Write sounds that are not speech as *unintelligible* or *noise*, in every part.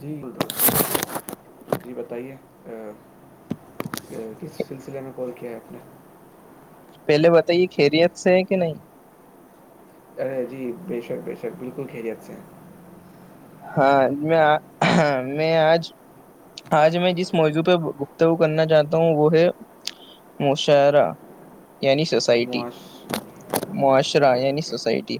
دی *unintelligible* جی بتائیے کس سلسلے میں کال کیا ہے آپ نے پہلے بتائیے خیریت سے ہے کہ نہیں ارے جی بے شک بے شک بالکل خیریت سے ہے ہاں میں ہ میں آج آج میں جس موضوع پہ گفتگو کرنا چاہتا ہوں وہ ہے مشاعرہ یعنی سستا معاش معاشرہ اوکے یعنی اوکے سوسائٹی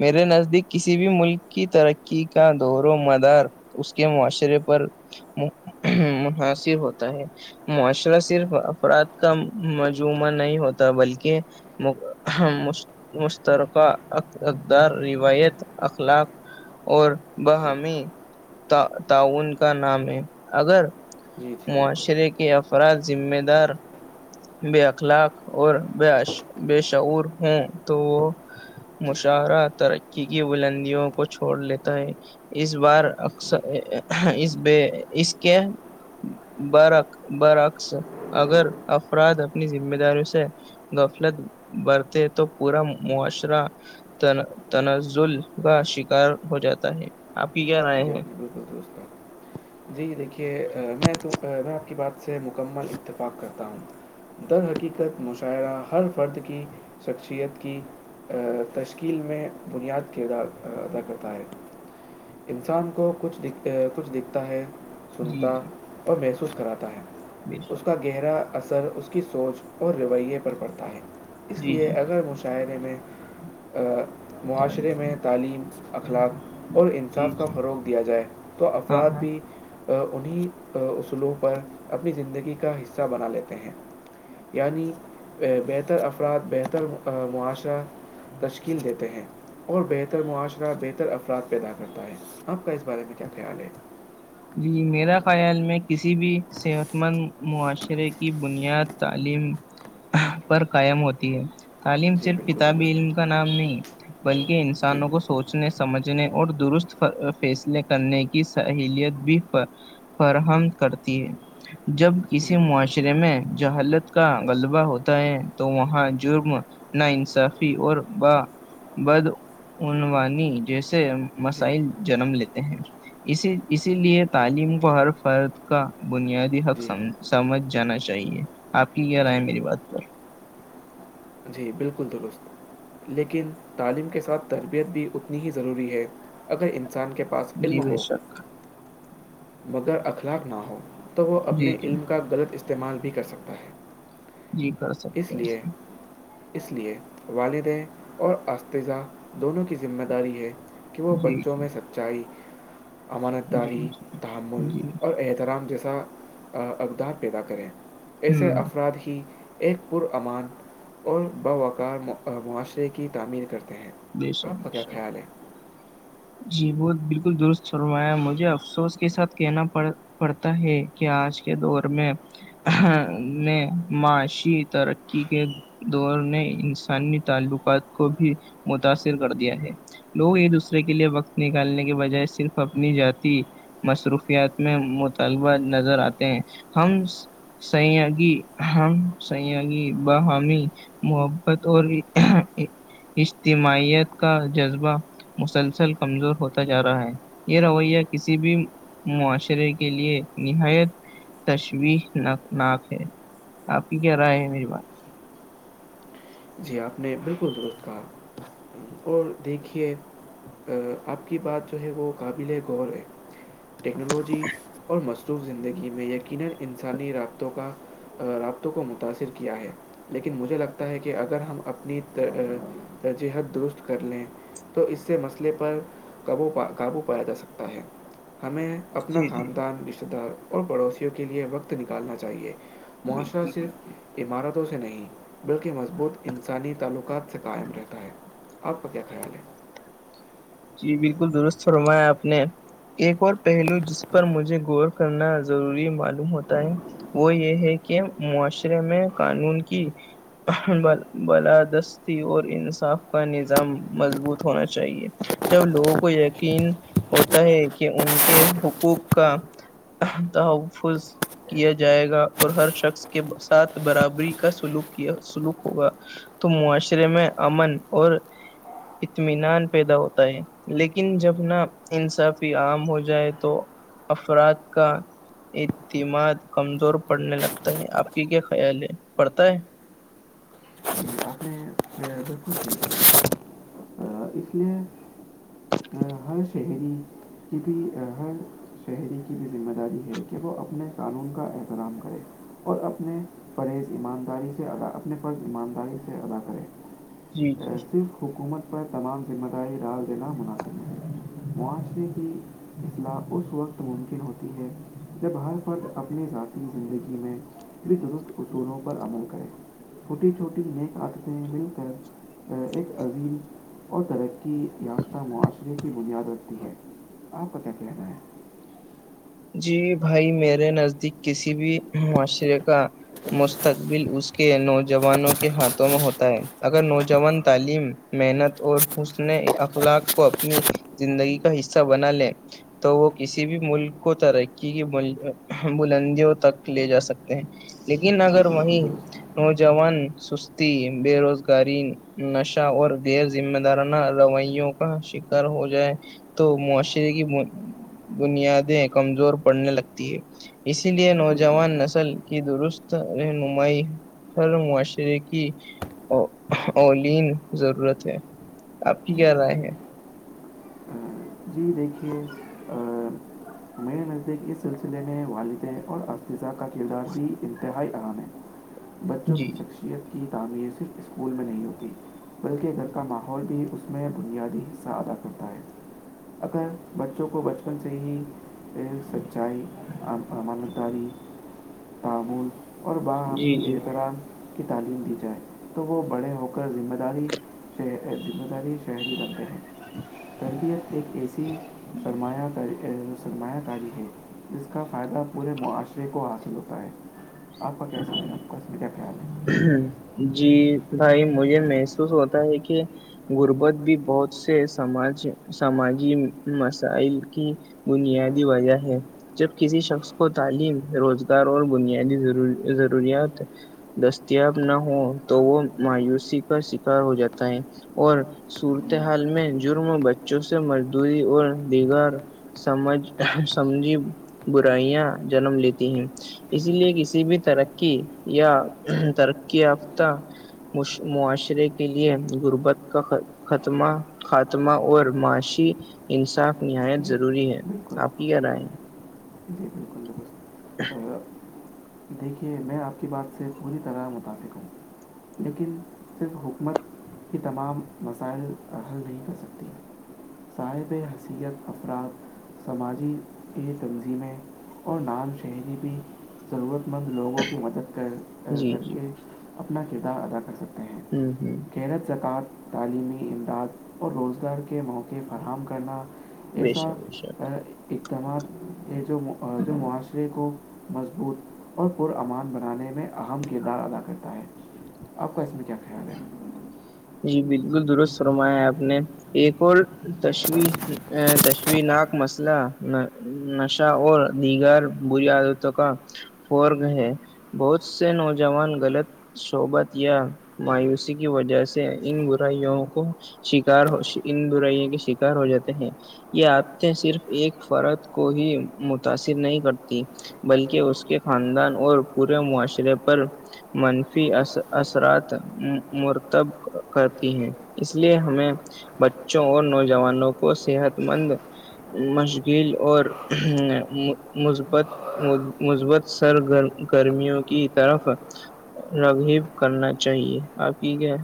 میرے نزدیک کسی بھی ملک کی ترقی کا دور و مدار اس کے معاشرے پر مناسب ہو معاشرہ صرف افراد کا مجموعہ نہیں ہوتا بلکہ مشترکہ اقدار روایت اخلاق اور بہمی تعاون کا نام ہے اگر جی جی جی بالکل معاشرے کے افراد ذمہ دار بے اخلاق اور ب بےشعور ہوں تو وہ جی مشاعرہ ترقی کی بلندیوں کو چھوڑ لیتا ہے اس بار اکثر جی اس اس کے برعک برعکس اگر افراد اپنی ذمہ داری سے غفلت برتے تو پورا معاشرہ تنزل کا شکار ہو جاتا ہے آپ کی کیا رائے جی ہے ہاں بالکل درست ہے جی دیکھیے میں تو میں آپ کی بات سے مکمل اتفاق کرتا ہوں درحقیقت مشاعرہ ہر فرد کی شخصیت کی تشکیل میں بنیاد کردار ادا کرتا ہے انسان کو کچھ دکھ کچھ دکھتا ہے جی سنتا جی اور محسوس کراتا ہے بے شک اس کا گہرا اثر اس کی سونچ اور رویے پر پڑتا ہے اس جی لیے جی اگر مشاعرے میں معاشرے میں تعلیم اخلاق اور جی انصاف جی روک دیا جائے تو ہاں افراد ہاں بھی انیں اصولوں پر اپنی زندگی کا حصہ بنا لیتے ہیں یعنی بہتر افراد بہتر معاشرہ تشکیل دیتے ہیں اور بہتر معاشرہ بہتر افراد پیدا کرتا ہے آپ کا اس بارے میں کیا خیال ہے جی میرا خیال میں کسی بھی صحت مند معاشرے کی بنیاد تعلیم پر قائم ہوتی ہے تعلیم جی صرف بالکل کتاب درست علم کا نام نہیں بلکہ جی انسانوں کو سوچنے سمجھنے اور درست فیصلے کرنے کی سہلیت بھی فراہم کرتی ہے جب جی کسی بالکل معاشرے رے میں ج حالت کا غلبہ ہوتا ہے تو وہاں جرم ناانصافی اور با بد عنوانی جیسے جی۔ مسائل جنم لیتے ہیں اسی اسی لیے تعلیم کو ہر فرد کا بنیادی جی۔ حقم سمجھ جانا چاہیے آپ کی کیا ر ہے جی میری بات پر جی بالکل درست لیکن تعلیم کے ساتھ تربیت بھی اتنی ہی ضروری ہے اگر انسان کے پاس علم جی بے ہو شک مگر اخلاق نہ ہو تو وہ جی اپنے جی علم کا غلط استعمال بھی کر سکتا ہے جی کر اس سکتا لیے ہیں اس لیے والدیں اور اساتذہ دونوں کی ذمہ داری ہے کہ وہ جی بچوں میں جی سچائی امانت جی داری تحمل جی جی اور احترام جیسا اقدار پیدا کریں ہ ایسے افراد ہی ایک پر امان اور بوقار معاشرے کی تعمیر کرتے ہیں جی سر آپ کا ج کیا سر *unintelligible* خیال ہے جی وہ بالکل درست سرمایا مجھے افسوس کے ساتھ کہنا پڑ پڑتا ہے کہ آج کے دور میں میں معاشی ترقی کے دور نے انسانی تعلقات کو بھی متاثر کر دیا ہے لوگ ایک دوسرے کے لیے وقت نکالنے کے بجائے صرف اپنی جی مصروفیات میں مطالبہ نظر آتے ہیں ہم سیاگی ہ سیاگی ب حامی محبت اور اجتماعیت کا جذبہ مسلسل کمزور ہوتا جا رہا ہے یہ رویہ کسی بھی معاشرے کے لیے نہایت تشویحناک ہے آپ ہی کیا رائے ہے میری بات جی آپ نے بالکل درست کہا اور دیکھیے آپ کی بات جو ہے وہ قابل غور ہے ٹیکنالوجی اور مصروف زندگی میں یقینا انسانی رابطوں کا رابطوں کو متاثر کیا ہے لیکن مجھے لگتا ہے کہ کہ اگر ہم اپنی ترجیحت درست کر لیں تو اس سے مسئلے پر قبو پا قابو پایا جا سکتا ہے ہمیں اپنا جی جی خاندان رشتہ دار اور پڑوسیوں کے لیے وقت نکالنا چاہیے معاشرہ سے عمارتوں سے نہیں بلکہ مضبوط انسانی تعلقات سے قائم رہتا ہے آپ کا کیا خیال ہے جی بالکل درست فرمایا آپ نے ایک اور پہلو جس پر مجھے غور کرنا ضروری معلوم ہوتا ہے وہ یہ ہے کہ معاشرے میں قانون کی بالادستی اور انصاف کا نظام مضبوط ہونا چاہیے جب لوگوں کو یقین ہوتا ہے کہ ان کے حقوق کا دفظ *unintelligible* کیا جائے گا اور ہر شخص کے ساتھ برابری کا سلوک کیا سلوک ہوگا تو معاشرے میں امن اور اطمینان پیدا ہوتا ہے لیکن جب ن انصافی عام ہو جائے تو افراد کا اعتماد کمزور پڑنے لگتا ہے آپ کی کیا خیال ہے پڑتا ہے ج آنے *unintelligible* االکچ *unintelligible* تو اس لیے *unintelligible* ہر شہری کی بھی ہر *unintelligible* شہری کی بھی ذمہ داری ہے کہ وہ اپنے قانون کا احترام کرے *unintelligible* اور اپنے پرہز ایمانداری سے ادا اپنے فرض ایمانداری سے ادا کرے *unintelligible* جی جی ص حکومت پر تمام ذمہ داری رااز دینا منعسب نہیں *unintelligible* معاشرے کی اطلاع اس وقت ممکن ہوتی ہے *unintelligible* جب ہر فرد اپنی ذاتی زندگی میں بھی درست اصولوں پر عمل کرے فھوٹی چھٹی نیک آٹتیں بل کر *unintelligible* ایک عظیم اور ترقی یافتہ معاشرے *unintelligible* بنیاد رکھتی ہے آپ کا کیا کہنا ہے *unintelligible* جی بھائی میرے نزدیک کسی بھی معاشرے کا مستقبل اس کے نوجوانوں کے ہاتھوں میں ہوتا ہے اگر نوجوان تعلیم محنت اور اس نے اخلاق کو اپنی زندگی کا حصہ بنا لے تو وہ کسی بھی ملک کو ترقی کی بلندیوں تک لے جا سکتے ہیں لیکن اگر وہیں نوجوان سستی بے روزگاری نشہ اور یر ذمہ دارانہ رویوں کا شکار ہو جائے تو معاشرے کی بنیادیں کمزور پڑنے لگتی ہے اسی لیے نوجوان نسل کی درست رہنمائی ہر معاشرے کی ا اولین ضرورت ہے آپ کی کیا رائے ہے جی دیکھیے میرے نزدیک اس سلسلے میں والدہ اور اسذہ کا کردار بھی انتہائی اہم ہے بچوں جی کی شخصیت کی تعمیر صرف اسکول میں نہیں ہوتی بلکہ گھر کا ماحول بھی اس میں بنیادی حصہ ادا کرتا ہے اگر بچوں کو بچپن سے ہی تیل سچائی امان داری تعامل اور جی باہنی جی احترام کی تعلیم دی جائے تو وہ بڑے ہو کر ذمہ داری ذمہ داری شہری رکھتے ہیں تربیت فرمایا کر سرمایہ کاری ہے جس کا فائدہ پورے معاشرے کو حاصل ہوتا ہے آپ کا کیسال ہے آپ کا اس کیا خیال ہے جی بھائی مجھے محسوس ہوتا ہے کہ غربت بھی بہت سے سماج سماجی مسائل کی بنیادی وجہ ہے جب کسی شخص کو تعلیم روزگار اور بنیادی ضروری ضروریات دستیاب نہ ہو تو وہ مایوسی کا شکار ہو جاتا ہے اور صورتحال میں جرم و بچوں سے مزدوری اور دیگر سمجھ سمج برائیاں جنم لیتی ہیں اسی لیے کسی بھی ترقی یا ترقی یافتہ معاشرے کے لیے غربت کا خاتمہ خاتمہ اور معاشی انصاف نہایت ضروری ہے آپ کی کیا رائے جی بالکل درست آ، *inaudible* دیکھیے میں آپ کی بات سے پوری طرح مطفق ہوں لیکن صرف حکومت کی تمام مسائل حل نہیں کر سکتی صاب حثیت افراد سماجی کی تنظیمیں اور نام شہری بھی ضرورت مند لوگوں کی مدد کر جی کر جی کے اپنا کردار ادا کر سکتے ہیں ہوں ہوں شیرت زکۃ تعلیمی امداد اور روزگار کے موقعے فراہم کرنا بے ایسا شک بے شک اقدامات ہیں جو جو معاشرے کو مضبوط اور پر امان بنانے میں اہم کردار ادا کرتا ہے آپ کا اس میں کیا خیال ہے جی بالکل درست ررما ہے آپ نے ایک تشو تشوناک مسئلہ نشہ اور دیگر بری عادتوں کا فورگ ہے بہت سے نوجوان غلط صحبت یا مایوسی کی وجہ سے ان برائیوں کو شکار ان برائیوں کے شکار ہو جاتے ہیں یہ عادتیں صرف ایک فرد کو ہی متاثر نہیں کرتی بلکہ اس کے خاندان اور پورے معاشرے پر منفی اثرات مرتب کرتی ہیں اس لیے ہمیں بچوں اور نوجوانوں کو صحت مند مشغیل اور مثبت مثبت سر گرمیوں کی طرف رغیب کرنا چاہیے آپ کی کیا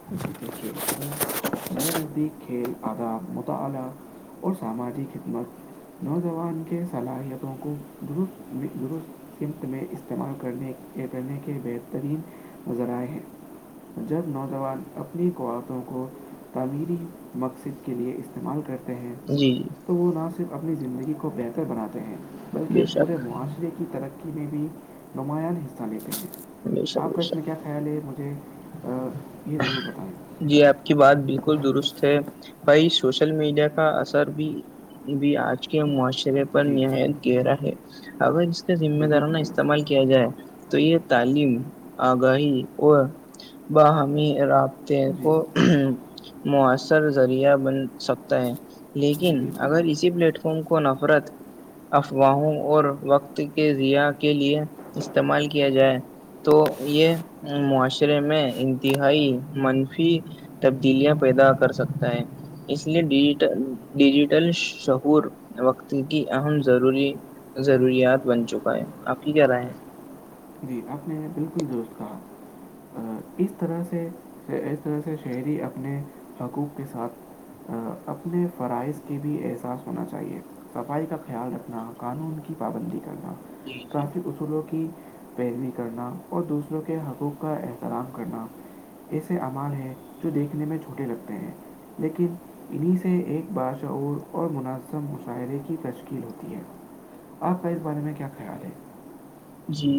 ٹھ *inaudible* نزدیک کھیل آداد مطالعہ اور ساماجی خدمت نوجوان کے صلاحیتوں کو درست درست قمت میں استعمال کرنے کرنے کے بہترین نظرائع ہیں جب نوجوان اپنی قتوں کو تعمیری مقصد کے لیے استعمال کرتے ہیں جی جی تو وہ نہ صرف اپنی زندگی کو بہتر بناتے ہیں بلکہ بے شک پورے معاشرے کی ترقی میں بھی نماں حصہ لیتے ہیں بے شک آپ بے کو اس میں شک کیا کر خیال ہے مجھے یہ ضرور بتائیں جی آپ کی بات بالکل درست ہے بھائی سوشل میڈیا کا اثر بھی بھی آج کے معاشرے پر جی نہایت گہرا ہے اگر اس کا ذمہ داروں ن بالکل درست استعمال کیا جائے تو یہ تعلیم آگاہی اور باہمی راب جی کو مؤثر ذریعہ بن سکتا ہے جی لیکن بالکل اگر بالکل اسی پلیٹ فارم کو نفرت افواہوں اور وقت کے ضیاع کے لیے استعمال کیا جائے تو یہ معاشرے میں انتہائی منفی تبدیلیاں پیدا کر سکتا ہے اس لیے ڈیجیٹ ڈیجیٹل شعور وقت کی اہم ضروری ضروریات بن چکا ہے آپ کی کیا رائے ہے جی آپ نے بالکل جو اس کاا اس طرح سے اس طرح سے شہری اپنے حقوق کے ساتھ اپنے فرائض کے بھی احساس ہونا چاہیے صفائی کا خیال رکھنا قانون کی پابندی کرنا جی جی ٹرریفک اصولوں کی پیروی کرنا اور دوسروں کے حقوق کا احترام کرنا ایسے امال ہیں جو دیکھنے میں چھوٹے لگتے ہیں لیکن انہیں سے ایک باشعور اور منظم مشاہرے کی تشکیل ہوتی ہے آپ کا اس بارے میں کیا خیال ہے جی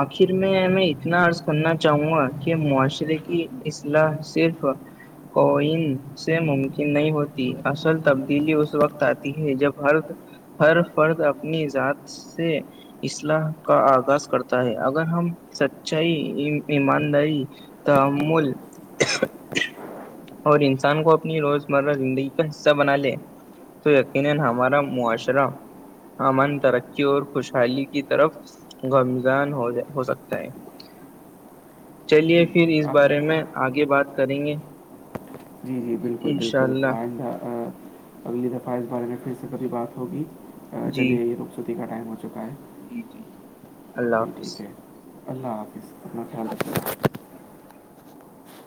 آخر میں میں اتنا عرض کرنا چاہوں گا کہ معاشرے کی اسلاح صرف کوئین سے ممکن نہیں ہوتی اصل تبدیلی اس وقت آتی ہے جب ہر ہر فرد اپنی ذات سے اصلاح کا آغاز کرتا ہے اگر ہم سچائی ایمانداری تو مول *inaudible* اور انسان کو اپنی روزمرہ زندگی کا حصہ بنا لے تو یقینا ہمارا معاشرہ امن ترقی اور خوشحالی کی طرف گمزان ہو جائے ہو سکتا ہے چلیے جی، پھر اس آپ بارے نے- میں آگے بات کریں گے جی جی بالکل انشاء بالکل اللہ آئندہ اگلی دفعہ اس بارے میں پھر سے کبھی بات ہوگی جی چلیے رخصتی کا ٹائم ہو چکا ہے جی جی اللہ جی حافظ ٹھیک ہے اللہ حافظ اپنا خیال رکھ